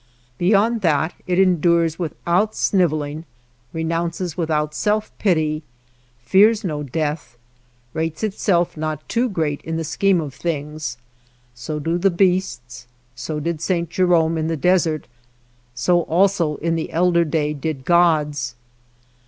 Beyond that it endures without sniveling, renounces without self pity, fears no death, rates itself not too great in the scheme of things ; so do beasts, so did St. Jerome in the desert, so also in the elder day did gods.